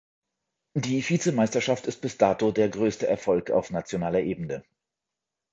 Die Vizemeisterschaft ist bis dato der größte Erfolg auf nationaler Ebene.